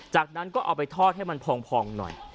จากนั้นก็เอาไปทอดให้มันพองหน่อย